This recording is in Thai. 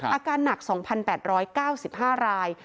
อาการหนัก๒๘๙๕ราย